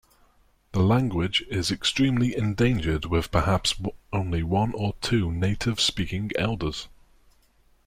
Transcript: The language is extremely endangered with perhaps only one or two native speaking elders.